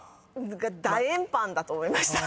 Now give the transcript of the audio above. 「だえんパン」だと思いました。